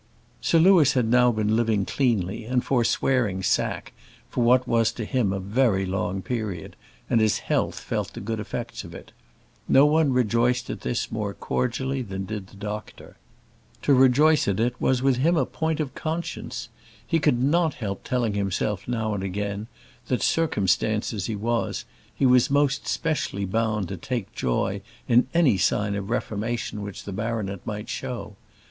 Sir Louis had now been living cleanly and forswearing sack for what was to him a very long period, and his health felt the good effects of it. No one rejoiced at this more cordially than did the doctor. To rejoice at it was with him a point of conscience. He could not help telling himself now and again that, circumstanced as he was, he was most specially bound to take joy in any sign of reformation which the baronet might show.